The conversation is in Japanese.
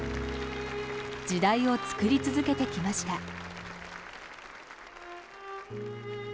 時代を作り続けてきました。